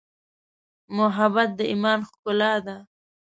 محبت د ایمان ښکلا ده.